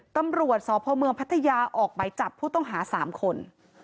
ตำรวจสพเมืองพัทยาออกไหมจับผู้ต้องหา๓คน